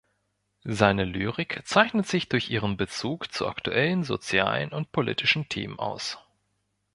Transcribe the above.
Seine Lyrik zeichnet sich durch ihren Bezug zu aktuellen sozialen und politischen Themen aus.